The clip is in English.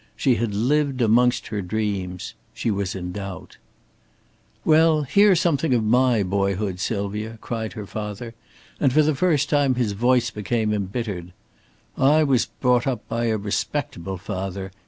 She had lived amongst her dreams. She was in doubt. "Well, hear something of my boyhood, Sylvia!" cried her father, and for the first time his voice became embittered. "I was brought up by a respectable father.